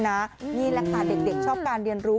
นี่แหละค่ะเด็กชอบการเรียนรู้